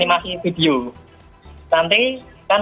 tujuan saya memotoselfie sejak dua tahun